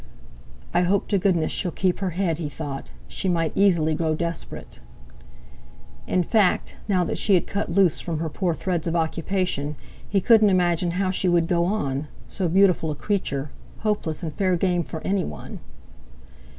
"I hope to goodness she'll keep her head!" he thought; "she might easily grow desperate." In fact, now that she had cut loose from her poor threads of occupation, he couldn't imagine how she would go on—so beautiful a creature, hopeless, and fair game for anyone!